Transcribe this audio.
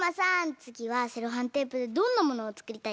つぎはセロハンテープでどんなものをつくりたい？